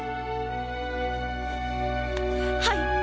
はい！